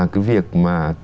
cái việc mà